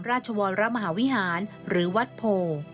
ราชวรมหาวิหารหรือวัดโพ